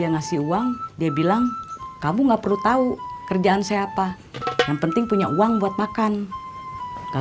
gatonya dia jadi copet terus dia ketangkep saya kecewa saya malu